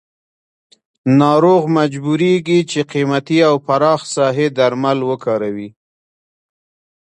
ناروغ مجبوریږي چې قیمتي او پراخ ساحې درمل وکاروي.